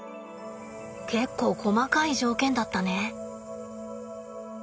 結構細かい条件だったね。